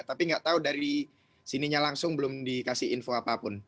tapi nggak tahu dari sininya langsung belum dikasih info apapun